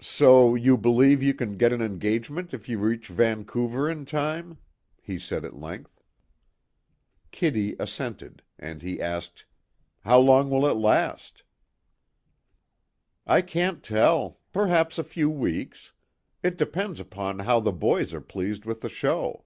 "So you believe you can get an engagement if you reach Vancouver in time," he said at length. Kitty assented, and he asked, "How long will it last?" "I can't tell. Perhaps a few weeks. It depends upon how the boys are pleased with the show."